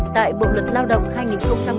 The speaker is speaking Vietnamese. tại bộ luật lao động hai nghìn một mươi năm